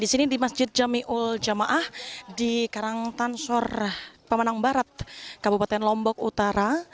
di sini di masjid ⁇ jamiul jamaah di karangtansor pemenang barat kabupaten lombok utara